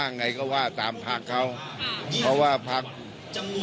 อันนี้จะต้องจับเบอร์เพื่อที่จะแข่งกันแล้วคุณละครับ